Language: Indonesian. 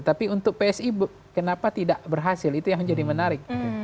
tapi untuk psi kenapa tidak berhasil itu yang menjadi menarik